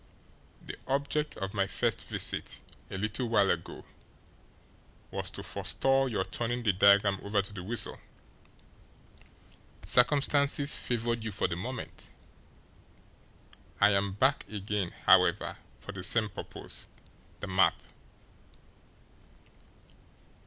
The object of my first visit a little while ago was to forestall your turning the diagram over to the Weasel. Circumstances favoured you for the moment. I am back again, however, for the same purpose the map!"